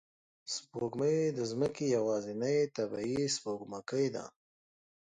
سپوږمۍ د ځمکې یوازینی طبیعي سپوږمکۍ ده